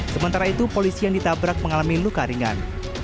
sementara itu polisi yang ditabrak mengalami luka ringan